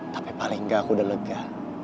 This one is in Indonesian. tapi paling nggak aku udah lega